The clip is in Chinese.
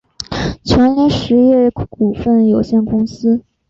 全联实业股份有限公司